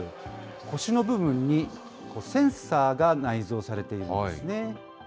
腰の部分にセンサーが内蔵されているんですね。